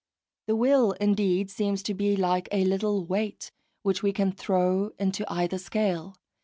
The will indeed seems to be like a little weight which we can throw into either scale.